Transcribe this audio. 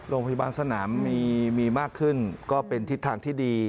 โรงพยาบาลสนามมีมากขึ้นก็เป็นทิศทางที่ดี